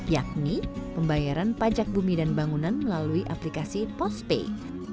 yakni pembayaran pajak bumi dan bangunan melalui aplikasi postpay